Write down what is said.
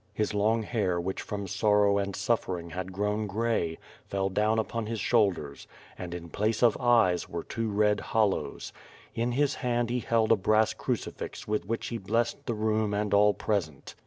His long hair which from sorrow and suf fering had grown gray, fell down upon his shoulders and, in place of eyes, were two red hollows. In his hand he held a brass crucifix with which he blessed the room and all present.